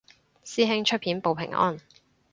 師兄出片報平安